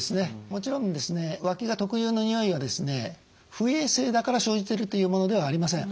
もちろんわきが特有のにおいは不衛生だから生じているというものではありません。